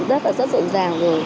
rất là rất rộn ràng rồi